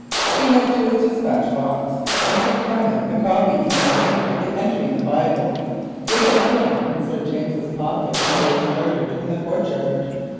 He went to his dispatch box and took from it the copy he had made of the entry in the Bible which had been in Sir James's pocket when he was murdered in the courtyard.